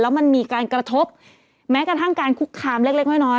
แล้วมันมีการกระทบแม้กระทั่งการคุกคามเล็กเล็กน้อย